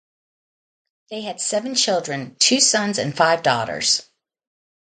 They had seven children, two sons and five daughters.